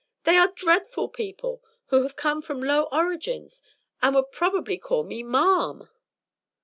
They are dreadful people, who have come from low origins and would probably call me 'marm.'"